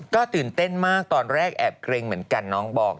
ก็ตื่นเต้นมากตอนแรกแอบเกรงเหมือนกันน้องบอก